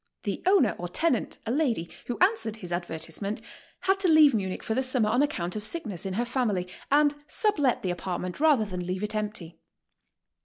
The owner or tenant, a lady, who answered his advertisement, had to leave Munich for the summer on account of sickness in her family, and sublet the apartment rather than leave it empty.